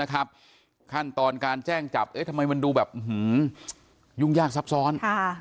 ขั้นตอนการแจ้งจับทำไมมันดูแบบยุ่งยากซับซ้อน